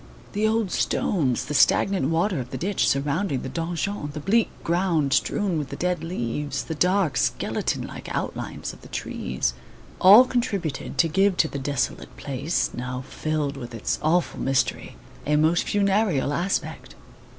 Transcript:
The old stones, the stagnant water of the ditch surrounding the donjon, the bleak ground strewn with the dead leaves, the dark, skeleton like outlines of the trees, all contributed to give to the desolate place, now filled with its awful mystery, a most funereal aspect.